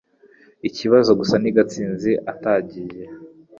Ikibazo gusa ni Gatsinzi atagiye